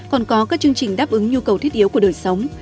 còn có các chương trình đáp ứng nhu cầu thiết yếu của đời sống